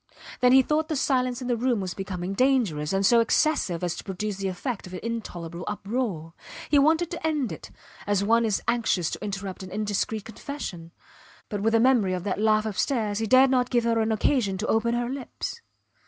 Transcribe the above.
Then he thought the silence in the room was becoming dangerous, and so excessive as to produce the effect of an intolerable uproar. He wanted to end it, as one is anxious to interrupt an indiscreet confession; but with the memory of that laugh upstairs he dared not give her an occasion to open her lips.